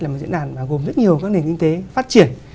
là diễn đàn gồm rất nhiều các nền kinh tế phát triển